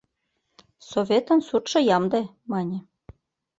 Советын суртшо ямде, мане.